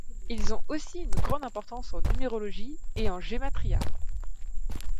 Ils ont aussi une grande importance en numérologie et en gematria.